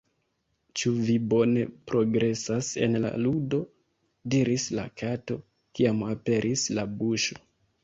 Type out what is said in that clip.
"Ĉu vi bone progresas en la ludo?" diris la Kato, kiam aperis la buŝo.